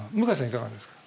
いかがですか？